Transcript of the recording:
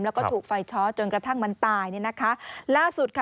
แล้วก็ถูกไฟช้อจนกระทั่งมันตายเนี่ยนะคะล่าสุดค่ะ